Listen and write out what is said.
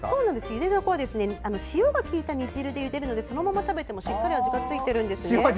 ゆでダコは塩が効いた煮汁でゆでるのでそのまま食べてもしっかり味がついているんです。